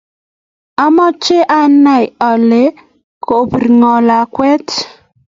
Amexhe ani ale kobir ng'o lakwet